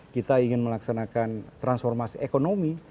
kita ingin melaksanakan transformasi ekonomi